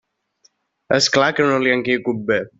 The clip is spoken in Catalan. És clar que no li hem caigut bé.